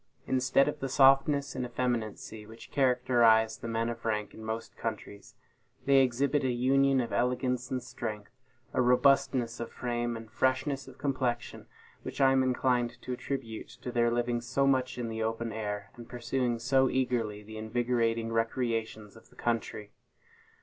Instead of the softness and effeminacy which characterize the men of rank in most countries, they exhibit a union of elegance and strength, a robustness of frame and freshness of complexion, which I am inclined to attribute to their living so much in the open air, and pursuing so eagerly the invigorating recreations of the country.